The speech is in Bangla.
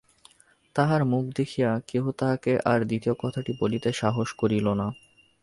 তাহার মুখ দেখিয়া কেহ তাহাকে আর দ্বিতীয় কথাটি বলিতে সাহস করিল না।